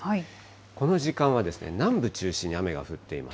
この時間は南部中心に雨が降っています。